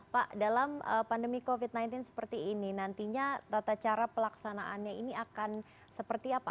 pak dalam pandemi covid sembilan belas seperti ini nantinya tata cara pelaksanaannya ini akan seperti apa